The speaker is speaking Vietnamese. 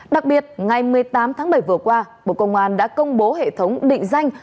đặc biệt ngày một mươi tám tháng bảy vừa qua bộ công an đã công bố hệ thống định danh